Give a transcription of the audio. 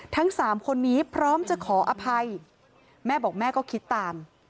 ทั้งสามคนนี้พร้อมจะขออภัยแม่บอกแม่ก็คิดตาม